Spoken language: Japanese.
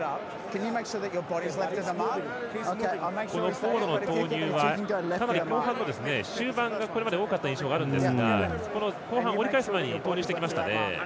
フォードの投入はかなり後半の終盤がこれまで多かった印象があるんですが、後半折り返す前に投入してきましたね。